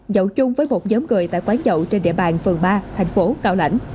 dậu chung với một nhóm người tại quán dậu trên địa bàn phường ba thành phố cao lãnh